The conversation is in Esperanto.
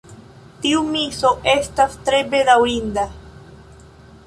Tiu miso estas tre bedaŭrinda.